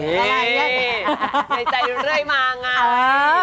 ในใจเลยมางั้น